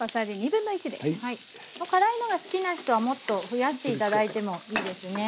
辛いのが好きな人はもっと増やして頂いてもいいですね。